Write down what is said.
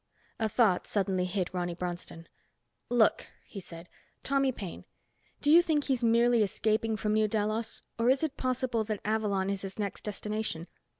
A thought suddenly hit Ronny Bronston. "Look," he said. "Tommy Paine. Do you think he's merely escaping from New Delos, or is it possible that Avalon is his next destination?